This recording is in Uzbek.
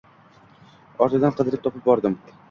Ortidan qidirib topib bordim